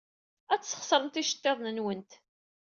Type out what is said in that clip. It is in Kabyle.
Ad tesxeṣremt iceḍḍiḍen-nwent.